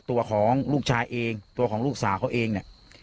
ตัวของลูกชายเองตัวของลูกสาวเขาเองเนี่ย